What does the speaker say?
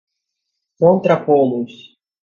contrapô-los